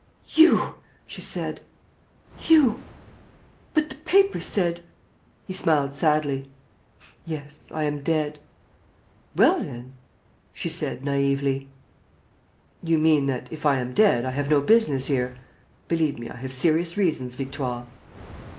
"You!" she said. "You! ... But the papers said ..." He smiled sadly: "Yes, I am dead." "Well, then ... well, then ..." she said, naïvely. "You mean that, if I am dead, I have no business here. Believe me, I have serious reasons, Victoire."